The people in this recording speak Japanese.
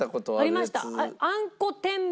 ありました。